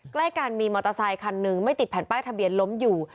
ใกล้กันมีมอเตอร์ไซคันหนึ่งไม่ติดแผ่นป้ายทะเบียนล้มอยู่